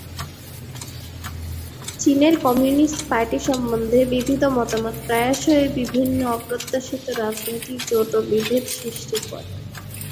চীনের communist party সম্বন্ধে বিবিধ মতামত প্রায়শই বিভিন্ন অপ্রত্যাশিত রাজনৈতিক জোট এবং বিভেদ সৃষ্টি করে।